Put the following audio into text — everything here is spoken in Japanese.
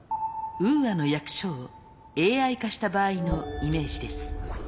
ウーアの役所をＡＩ化した場合のイメージです。